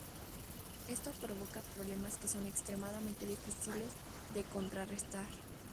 Esto provoca problemas que son extremadamente difíciles de contrarrestar.